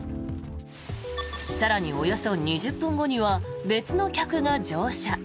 更に、およそ２０分後には別の客が乗車。